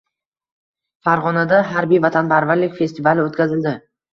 Farg‘onada harbiy vatanparvarlik festivali o‘tkazildi